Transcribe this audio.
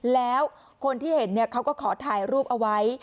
แล้วคนที่เห็นเขาก็ขอถ่ายรูปเอาไว้